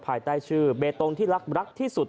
ภายใต้ชื่อเบตงที่รักรักที่สุด